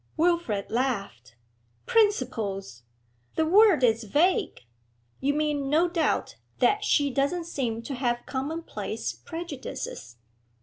Wilfrid laughed. 'Principles! The word is vague. You mean, no doubt, that she doesn't seem to have commonplace prejudices.'